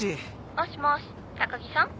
☎もしもし高木さん？